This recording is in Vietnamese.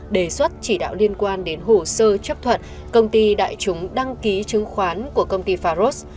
đề xuất chỉ đạo liên quan đến hồ sơ chấp thuận công ty đại chúng đăng ký chứng khoán của công ty faros